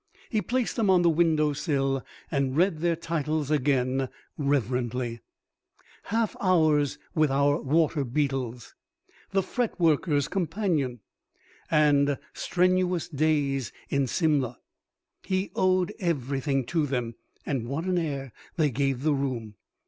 He placed them on the window sill and read their titles again reverently: "Half Hours with our Water Beetles," "The Fretworker's Companion" and "Strenuous Days in Simla." He owed everything to them. And what an air they gave the room!